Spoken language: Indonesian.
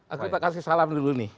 aku tak kasih salam dulu nih